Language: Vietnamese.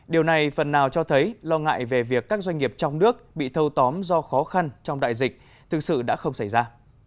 điều này phần nào cho thấy lo ngại về việc các doanh nghiệp trong nước bị thâu tóm do khó khăn trong đại dịch thực sự đã không xảy ra